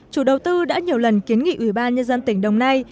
chủ đầu tư đã nhiều lần kiến nghị ủy ban nhân dân tỉnh đồng nai